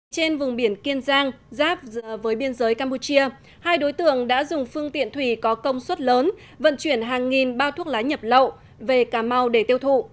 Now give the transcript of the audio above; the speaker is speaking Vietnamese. trên vùng biển kiên giang giáp với biên giới campuchia hai đối tượng đã dùng phương tiện thủy có công suất lớn vận chuyển hàng nghìn bao thuốc lá nhập lậu về cà mau để tiêu thụ